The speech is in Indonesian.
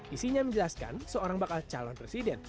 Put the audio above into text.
isinya menjelaskan seorang bakal calon presiden